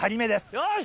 よし！